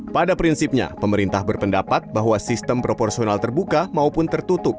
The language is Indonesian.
pada prinsipnya pemerintah berpendapat bahwa sistem proporsional terbuka maupun tertutup